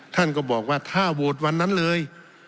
ท่านก็บอกว่าถ้าโหวตวันนั้นเลย